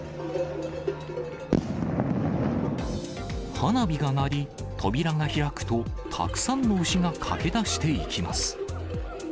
花火が鳴り、扉が開くと、たくさんの牛が駆け出していきます。